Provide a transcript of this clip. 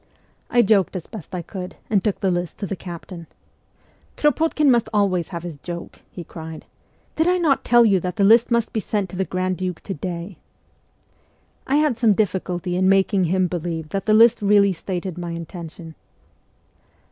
I joked as' best I could, and took the list to the captain. ' Krop6tkin must always have his joke !' he cried. ' Did I not tell you that the list must be sent to the grand duke to day ?' I had some difficulty in making him believe that the list really stated my intention.